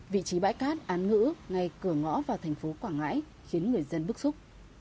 vị trí bãi cát án ngữ ngay cửa ngõ vào thành phố quảng ngãi khiến người dân bức xúc